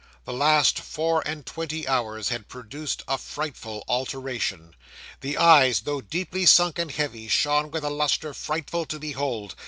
The last four and twenty hours had produced a frightful alteration. The eyes, though deeply sunk and heavy, shone with a lustre frightful to behold.